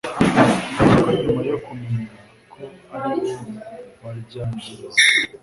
bavuga ko nyuma yo kumenya ko ari bo baryangirizaga